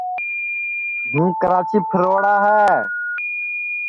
ہُوں کِراچی پھروڑا ہے